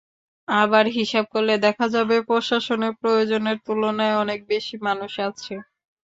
আবার হিসাব করলে দেখা যাবে, প্রশাসনে প্রয়োজনের তুলনায় অনেক বেশি মানুষ আছে।